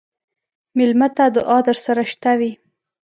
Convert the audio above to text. مېلمه ته دعا درسره شته وي.